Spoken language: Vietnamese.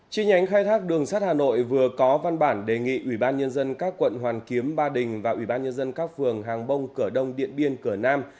trên nhánh khai thác đường sắt hà nội vừa có văn bản đề nghị ủy ban nhân dân các quận hoàn kiếm ba đình và ủy ban nhân dân các phường hàng bông cửa đông điện biên cửa nam